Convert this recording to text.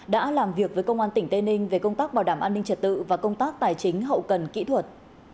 đã làm việc với công an tỉnh tây ninh về công tác bảo đảm an ninh trật tự và công tác tài chính hậu cần kỹ thuật